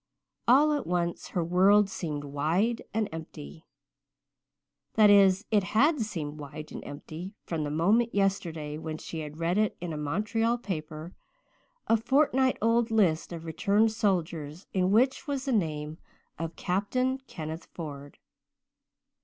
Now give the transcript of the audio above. All at once her world seemed wide and empty that is, it had seemed wide and empty from the moment yesterday when she had read in a Montreal paper a fortnight old list of returned soldiers in which was the name of Captain Kenneth Ford.